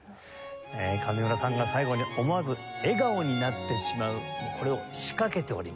上村さんが最後に思わず笑顔になってしまうこれを仕掛けております。